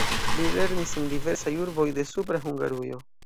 Li lernis en diversaj urboj de Supra Hungarujo.